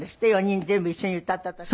４人全部一緒に歌った時。